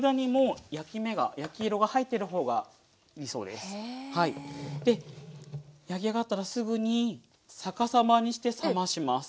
で焼き上がったらすぐに逆さまにして冷まします。